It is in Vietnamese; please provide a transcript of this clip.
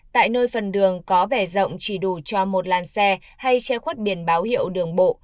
tại nơi phần đường có vẻ rộng chỉ đủ cho một làn xe hay che khuất biển báo hiệu đường bộ